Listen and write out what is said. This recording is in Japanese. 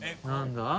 何だ？